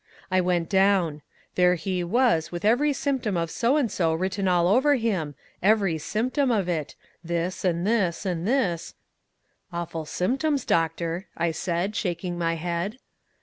I went down. There he was, with every symptom of so and so written all over him every symptom of it this and this and this " "Awful symptoms, doctor," I said, shaking my head.